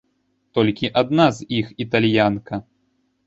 Толькі адна з іх італьянка.